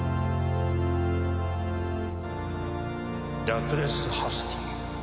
ラクレス・ハスティー。